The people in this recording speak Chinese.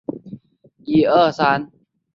芝加哥棒球俱乐部。